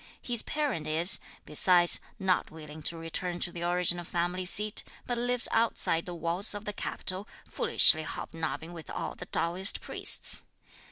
His parent is, besides, not willing to return to the original family seat, but lives outside the walls of the capital, foolishly hobnobbing with all the Taoist priests.